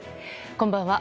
こんばんは。